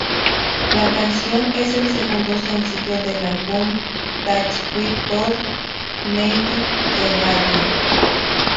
La canción es el segundo sencillo del álbum "That's Why God Made the Radio".